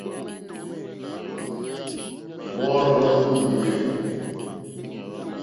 Wôrzô í mòwê.